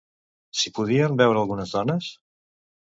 S'hi podien veure algunes dones?